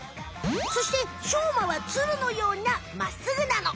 そしてしょうまはツルのようなまっすぐなの！